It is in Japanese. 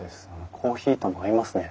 コーヒーとも合いますね。